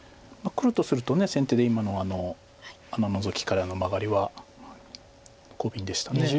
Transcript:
黒とすると先手で今のあのノゾキからのマガリは幸便でした。